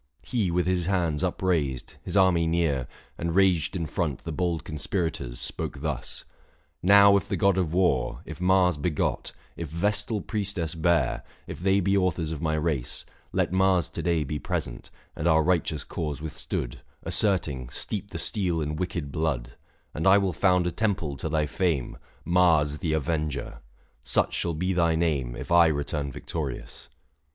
He, with his hands upraised, his army near, And ranged in front the bold conspirators, Spoke thus :" Now if the god of war, if Mars 650 Begot, if vestal priestess bare, if they Be authors of my race, let Mars to day M 2 164 THE FASTI. Book V. Be present, and our righteous cause withstood, Asserting, steep the steel in wicked blood ; And I will found a temple to thy fame ; 655 Mars the avenger ! such shall be thy name If I return victorious."